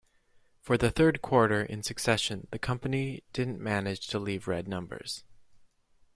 For the third quarter in succession, the company didn't manage to leave red numbers.